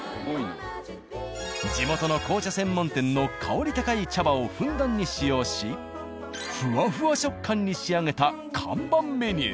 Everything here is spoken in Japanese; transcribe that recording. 地元の紅茶専門店の香り高い茶葉をふんだんに使用しふわふわ食感に仕上げた看板メニュー。